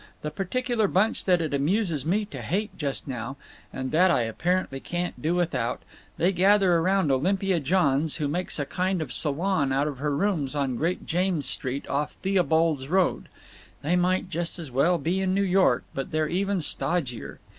The particular bunch that it amuses me to hate just now—and that I apparently can't do without—they gather around Olympia Johns, who makes a kind of salon out of her rooms on Great James Street, off Theobald's Road…. They might just as well be in New York; but they're even stodgier.